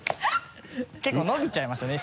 結構伸びちゃいますよね